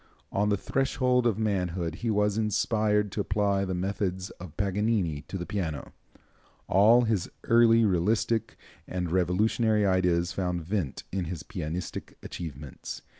On the threshold of manhood he was inspired to apply the methods of Paganini to the piano. All his early realistic and revolutionary ideas found vent in his pianistic achievements.